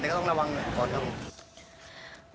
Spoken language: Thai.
แต่เขาต้องระวังก่อน